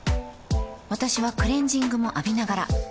私はクレジングも浴びながら